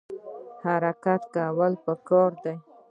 حرکت کول پکار دي